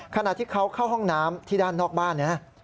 ขณะที่เขาเข้าห้องน้ำที่ด้านนอกบ้านเนี่ยนะ